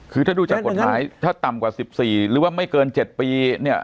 คือถ้าดูจากกฎหมายถ้าต่ำกว่า๑๔หรือว่าไม่เกิน๗ปีเนี่ย